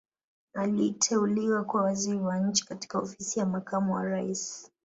Aliteuliwa kuwa Waziri wa Nchi katika Ofisi ya Makamu wa Rais